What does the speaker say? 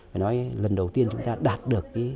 phải nói lần đầu tiên chúng ta đạt được